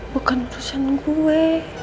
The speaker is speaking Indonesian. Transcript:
bukan urusan gue